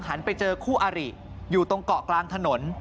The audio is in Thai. หันไปเจอคู่อาริอยู่ตรงเกาะกลางถนน